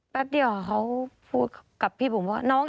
แป๊บเดียวเขาพูดกับพี่บุ๋มว่าน้อง